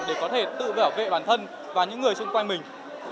để có thể tự bảo vệ bản thân và những người xung quanh mình